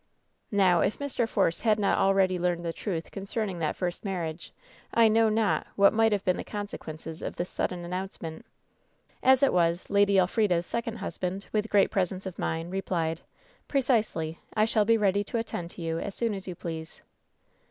Now, if Mr. Force had not already learned the truth concerning that first marriage, I know not what might have been the consequences of this sudden announce ment. As it was, Lady Elfrida's second husband, with great presence of mind, replied : "Precisely. I shall be ready to attend to you as soon as you please."